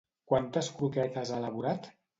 Quantes croquetes ha elaborat?